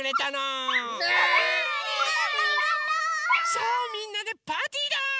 さあみんなでパーティーだ！